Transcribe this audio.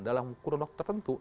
dalam kurunok tertentu